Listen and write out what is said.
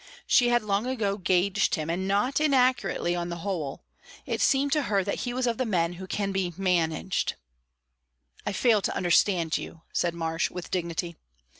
She had long ago gauged him, and not inaccurately on the whole; it seemed to her that he was of the men who can be "managed." "I fail to understand you," said Marsh, with dignity.